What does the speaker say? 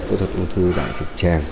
phẫu thuật ưu thư ở thị tràng